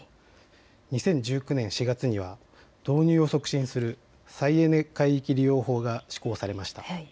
２０１９年４月には導入を促進する再エネ海域利用法が施行されました。